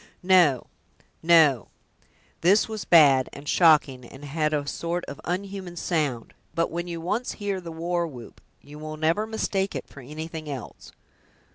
"No, no; this was bad, and shocking, and had a sort of unhuman sound; but when you once hear the war whoop, you will never mistake it for anything else.